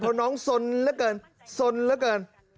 เพราะน้องสนเหลือเกินสนเหลือเกิน